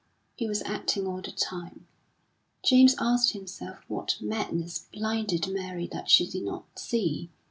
He was acting all the time. James asked himself what madness blinded Mary that she did not see?